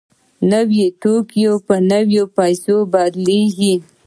نوي توکي په نویو پیسو بدلېږي